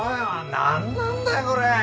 何なんだよこれ！